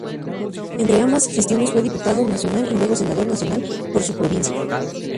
Entre ambas gestiones fue diputado nacional y luego senador nacional por su provincia.